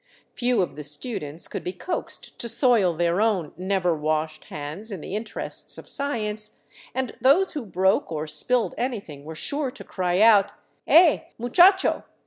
Few of the students could be coaxed to soil their own never washed hands in the interests of science, and those who broke or spilled anything were sure to cry out, " He, mucha cho